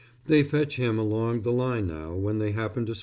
They fetch him along the line now when they happen to spot one.